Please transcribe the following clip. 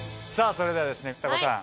それではちさ子さん